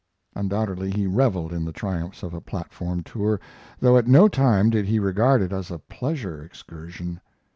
Undoubtedly he reveled in the triumphs of a platform tour, though at no time did he regard it as a pleasure excursion.